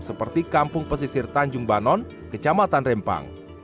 seperti kampung pesisir tanjung banon kecamatan rempang